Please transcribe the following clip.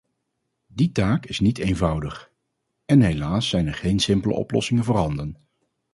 Die taak is niet eenvoudig, en helaas zijn er geen simpele oplossingen voorhanden.